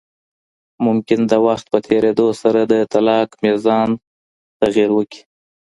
ممکن د وخت په تېرېدو سره د طلاق ميزان تغيیر وکړي.